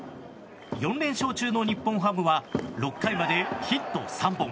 ４連勝中の日本ハムは６回までヒット３本。